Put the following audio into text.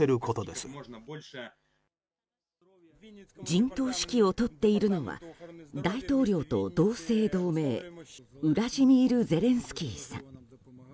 陣頭指揮を執っているのは大統領と同姓同名ウラジミール・ゼレンスキーさん。